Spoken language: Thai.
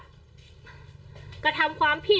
เดี๋ยวลองฟังดูนะครับ